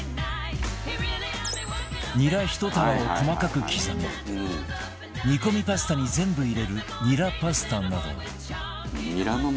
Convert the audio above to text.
ニラひと束を細かく刻み煮込みパスタに全部入れるニラパスタなど